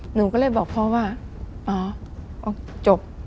หนูก็เลยบอกพ่อว่าอ๋อจบ